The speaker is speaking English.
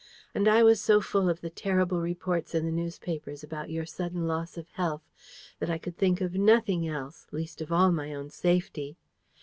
And I was so full of the terrible reports in the newspapers about your sudden loss of health, that I could think of nothing else least of all my own safety.